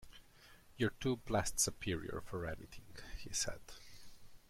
“You’re too blessed superior for anything,” he said.